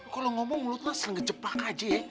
kalau ngomong lo tuh selingkuh jebak aja ye